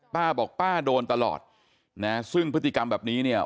ป้าบอกป้าโดนตลอดนะซึ่งพฤติกรรมแบบนี้เนี่ย